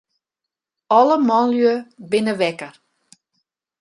Alle manlju binne wekker.